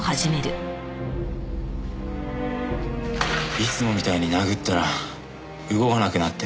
いつもみたいに殴ったら動かなくなって。